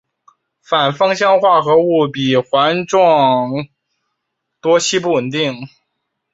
反芳香化合物比环状多烯不稳定。